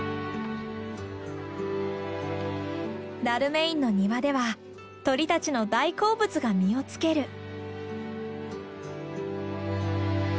ダルメインの庭では鳥たちの大好物が実をつける。